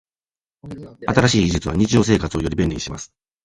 新しい技術は日常生活をより便利にします。